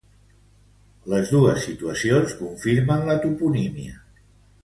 Les dos situacions confirmen la toponímia.